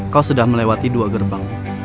kau sudah melewati dua gerbang